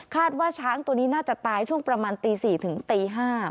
ว่าช้างตัวนี้น่าจะตายช่วงประมาณตี๔ถึงตี๕